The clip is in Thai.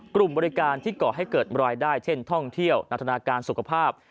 กลุ่มบริการที่ก่อให้เกิดรายได้เช่นท่องเที่ยวนาธนาการสุขภาพ